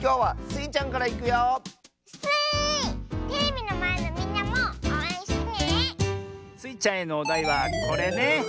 スイちゃんへのおだいはこれね。